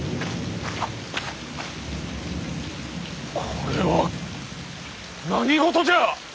これは何事じゃ！